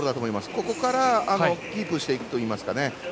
ここからキープしていくといいますか。